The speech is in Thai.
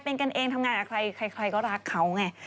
เป็นกันเองทำงานกับใครใครก็รักเขาไง